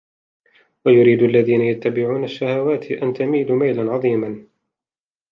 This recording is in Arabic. وَيُرِيدُ الَّذِينَ يَتَّبِعُونَ الشَّهَوَاتِ أَنْ تَمِيلُوا مَيْلًا عَظِيمًا